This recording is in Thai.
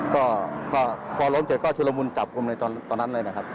ก็พอล้มเสร็จก็ชุดละมุนจับกลุ่มในตอนนั้นเลยนะครับ